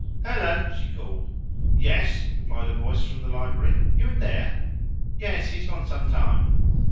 "Helen!" she called. "Yes!" replied a voice from the library. "You in there?" "Yes he's gone some time."